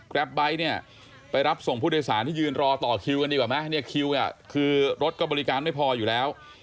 ไบท์เนี่ยไปรับส่งผู้โดยสารที่ยืนรอต่อคิวกันดีกว่าไหมเนี่ยคิวคือรถก็บริการไม่พออยู่แล้ว